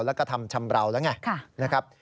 และก็ทำชำราวแล้วไง